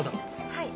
はい。